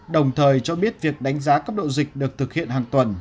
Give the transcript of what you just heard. đồng thời cho biết việc đánh giá cấp độ dịch được thực hiện hàng tuần